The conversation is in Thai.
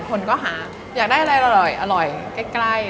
คนก็หาอยากได้อะไรอร่อยใกล้